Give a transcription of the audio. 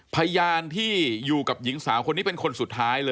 พยานที่อยู่กับหญิงสาวคนนี้เป็นคนสุดท้ายเลย